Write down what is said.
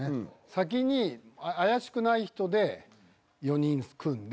先に怪しくない人で４人組んで。